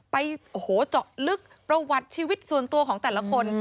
ไปโอ้โหเจาะลึกประวัติชีวิตส่วนตัวของแต่ละคน